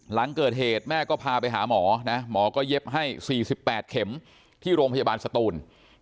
หลังเกิดเหตุแม่ก็พาไปหาหมอนะหมอก็เย็บให้๔๘เข็มที่โรงพยาบาลสตูน